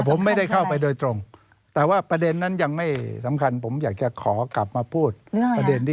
ปรับปรุงเรื่องร่างพระราชญาญัติ